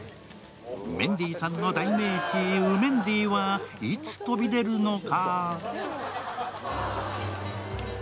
メンディーさんの代名詞うメンディーはいつ飛び出すのか。